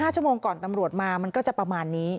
ชั่วโมงก่อนตำรวจมามันก็จะประมาณนี้